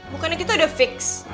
bukannya kita udah fix